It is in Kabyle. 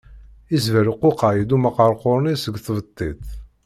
Isberquqay-d umqerqur-nni seg tbettit.